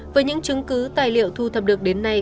với những chứng cứ tài liệu thu thập được đến nay